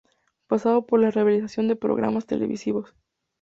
Pasando por la realización de programas televisivos.